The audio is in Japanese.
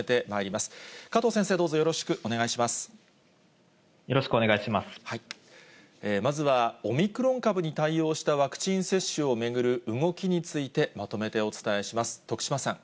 まずはオミクロン株に対応したワクチン接種を巡る動きについてまとめてお伝えします。